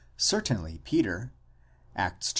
Certainly Peter (Acts iii.